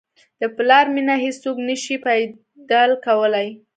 د پلار مینه هیڅوک نه شي بدیل کولی.